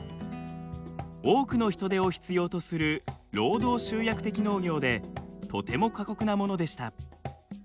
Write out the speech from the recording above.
多くの人手を必要とする労働集約的農業でとても過酷なものでした。